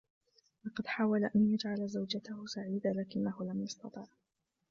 لقد حاول أن يجعل زوجته سعيدة لكنه لم يستطع.